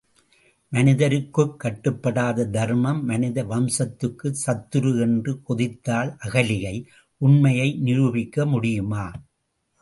மனிதருக்குக் கட்டுப்படாத தர்மம், மனித வம்சத்துக்குச் சத்துரு என்று கொதித்தாள் அகலிகை உண்மையை நிரூபிக்க முடியுமா?